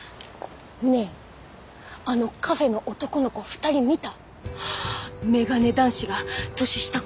ねえあのカフェの男の子２人見た？